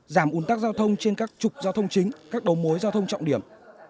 giảm ủn tắc giao thông trên các trục giao thông chính các đầu mối giao thông trọng điểm